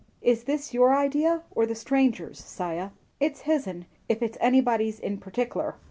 "Is this your idea, or the stranger's, 'Siah?" "It's his'n, ef it's anybody's in partickler.